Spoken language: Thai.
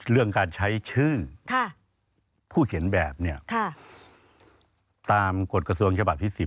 เรื่องการใช้ชื่อผู้เขียนแบบเนี่ยตามกฎกระทรวงฉบับที่๑๐